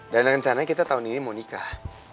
dan rencananya kita tahun ini mau nikah